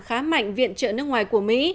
khá mạnh viện trợ nước ngoài của mỹ